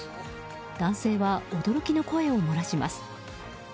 男性は驚きの声を漏らします。